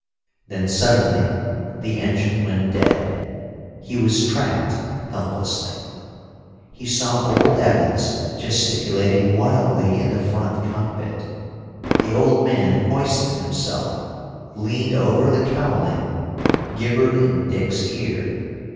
Then suddenly the engine went dead. He was trapped helplessly. He saw old Evans gesticulating wildly in the front cockpit. The old man hoisted himself, leaned over the cowling gibbered in Dick's ear.